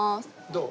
どう？